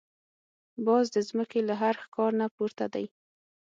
باز د زمکې له هر ښکار نه پورته دی